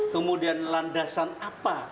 kemudian landasan apa